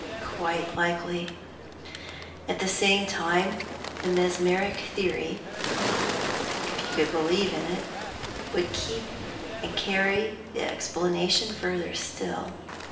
"Quite likely. At the same time, the mesmeric theory (if you could believe in it) would carry the explanation further still.